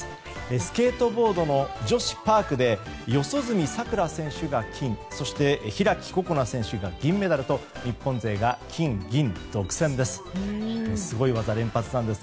スケートボードの女子パークで四十住さくら選手が金そして開心那選手が銀メダルと日本勢が金、銀独占です。